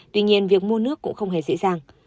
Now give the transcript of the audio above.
tuy nhiên việc mua nước cũng không hề dễ dàng